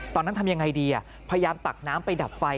ตอนนั้นทำอย่างไรดีพยายามตักน้ำไปดับไฟ